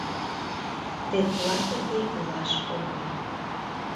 Тетла тыге илаш ок лий.